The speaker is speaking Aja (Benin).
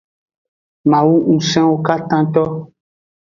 Mawu ngusenwo katato.